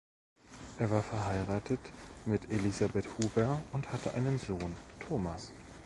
Er war verheiratet mit Elisabeth Huber und hatte einen Sohn, Thomas.